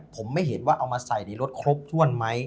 ผมไม่เห็นว่าเอามาใส่ในรถครบถ้วนไหม